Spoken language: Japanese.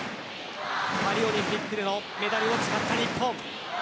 パリオリンピックでのメダルを誓った日本。